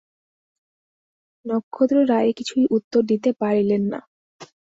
নক্ষত্ররায় কিছুই উত্তর দিতে পারিলেন না।